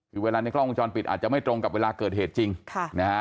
คือเวลาในกล้องวงจรปิดอาจจะไม่ตรงกับเวลาเกิดเหตุจริงค่ะนะฮะ